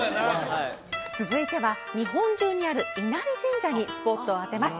はい続いては日本中にある稲荷神社にスポットを当てます